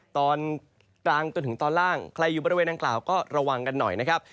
ตอนกลางจนถึงตอนล่างใครอยู่บริเวณดังกล่าวก็ระวังกันหน่อยนะครับ